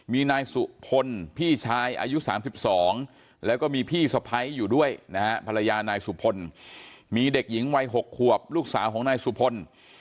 มีนายสุพลพี่ชายอายุ๓๒แล้วก็มีพี่สะพ้ายอยู่ด้วยนะฮะภรรยานายสุพลมีเด็กหญิงวัย๖ขวบลูกสาวของนายสุพล